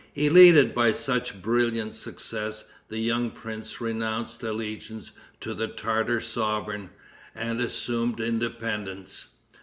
Elated by such brilliant success, the young prince renounced allegiance to the Tartar sovereign and assumed independence.